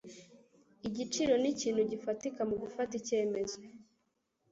Igiciro nikintu gifatika mugufata icyemezo.